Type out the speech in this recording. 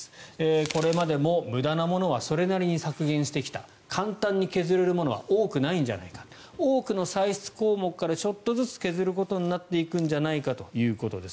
これまでも無駄なものはそれなりに削減してきた簡単に削れるものは多くないんじゃないか多くの歳出項目からちょっとずつ削ることになるんじゃないかということです。